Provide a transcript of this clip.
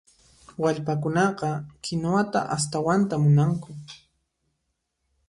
Wallpakunaqa kinuwata astawanta munanku.